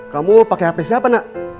kamu pakai hp siapa nak